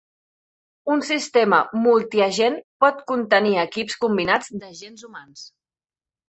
Un sistema multi-agent pot contenir equips combinats d'agents humans.